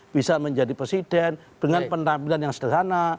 bisa menjadi presiden dengan penampilan yang sederhana